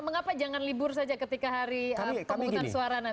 mengapa jangan libur saja ketika hari pemungutan suara nanti